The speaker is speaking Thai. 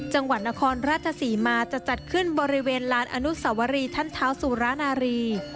จังหวัดนครราชศรีมาจะจัดขึ้นบริเวณลานอนุสวรีท่านเท้าสุรานารี